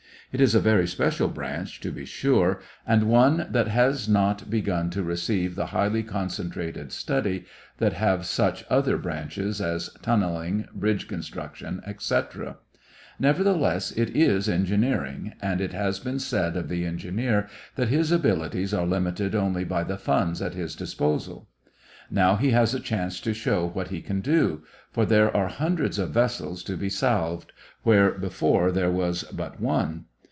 It is a very special branch, to be sure, and one that has not begun to receive the highly concentrated study that have such other branches as tunneling, bridge construction, etc. Nevertheless it is engineering, and it has been said of the engineer that his abilities are limited only by the funds at his disposal. Now he has a chance to show what he can do, for there are hundreds of vessels to be salved where before there was but one.